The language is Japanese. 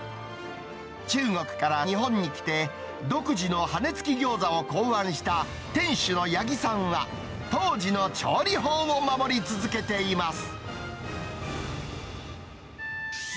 中国から日本に来て、独自の羽根付き餃子を考案した、店主の八木さんは、当時の調理法を守り続けています。